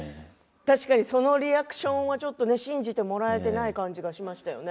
確かにそのリアクションは信じてもらえてない感じがしましたよね。